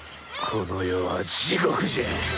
この世は地獄じゃ！